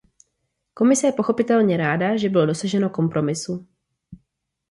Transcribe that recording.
Komise je pochopitelně ráda, že bylo dosaženo kompromisu.